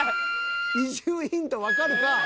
移住ヒントわかるか！